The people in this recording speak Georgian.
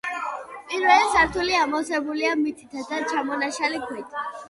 პირველი სართული ამოვსებულია მიწითა და ჩამონაშალი ქვით.